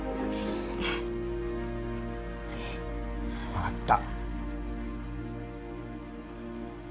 分かった。